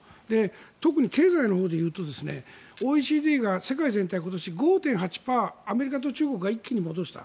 特に、経済の面でいうとＯＥＣＤが今年５．８％アメリカと中国が一気に戻した。